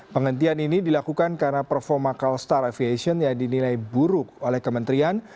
penghentian ini dilakukan karena performa calstar aviation yang dinilai buruk oleh kementerian